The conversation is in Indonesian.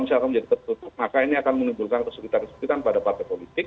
jadi kalau misalkan ini tertutup maka ini akan menimbulkan kesulitan kesulitan pada partai politik